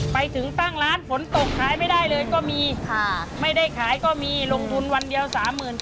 ไปถึงตั้งร้านฝนตกขายไม่ได้เลยก็มีไม่ได้ขายก็มีลงทุนวันเดียว๓๗๐